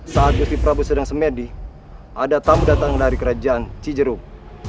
saat gusti prabowo sedang semedi ada tamu datang dari kerajaan cijerung